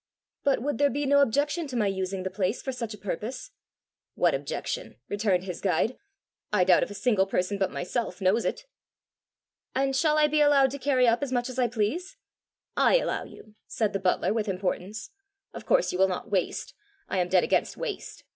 "But would there be no objection to my using the place for such a purpose?" "What objection?" returned his guide. "I doubt if a single person but myself knows it." "And shall I be allowed to carry up as much as I please?" "I allow you," said the butler, with importance. "Of course you will not waste I am dead against waste!